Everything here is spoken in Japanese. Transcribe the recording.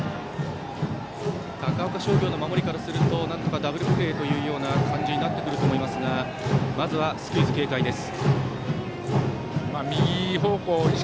高岡商業の守りからするとなんとかダブルプレーという感じになってくると思いますがまずはスクイズ警戒です。